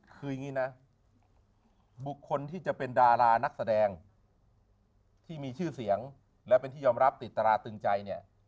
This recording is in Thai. คืออย่างนี้นะบุคคลที่จะเป็นดารานักแสดงที่มีชื่อเสียงและเป็นที่ยอมรับติดตราตึงใจเนี่ย